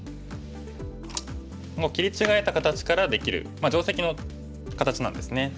切り違えた形からできる定石の形なんですね。